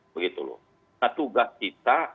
begitu loh nah tugas kita